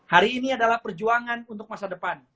hari ini adalah perjuangan untuk masa depan